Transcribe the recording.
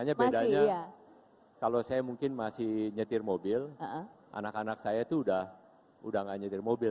makanya bedanya kalau saya mungkin masih nyetir mobil anak anak saya itu udah gak nyetir mobil